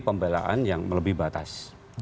pembelaan yang lebih batas